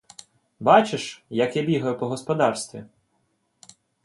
Бачиш, як я бігаю по господарстві.